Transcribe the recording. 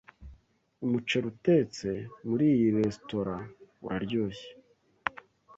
Umuceri utetse muri iyi resitora uraryoshye.